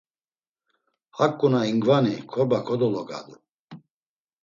Haǩu na ingvani, korba gologadu.